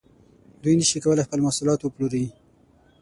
دوی نشي کولای خپل محصولات وپلوري